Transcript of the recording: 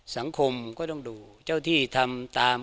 สังคมก็ต้องดูเจ้าที่ทำตาม